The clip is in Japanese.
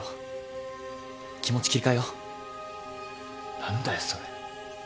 何だよそれ。